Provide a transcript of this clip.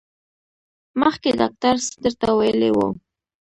مخکې ډاکټر څه درته ویلي وو؟